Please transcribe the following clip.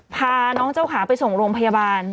พาน้องเจ้าขาไปส่งโรงพยาบาล